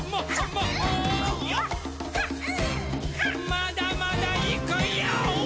まだまだいくヨー！